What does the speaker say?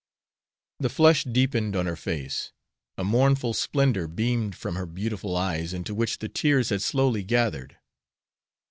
The flush deepened on her face, a mournful splendor beamed from her beautiful eyes, into which the tears had slowly gathered.